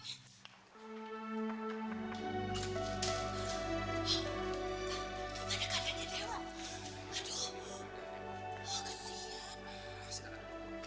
aduh oh kasihan